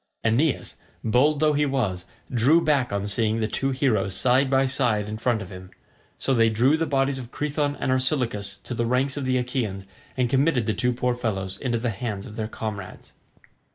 Aeneas, bold though he was, drew back on seeing the two heroes side by side in front of him, so they drew the bodies of Crethon and Orsilochus to the ranks of the Achaeans and committed the two poor fellows into the hands of their comrades.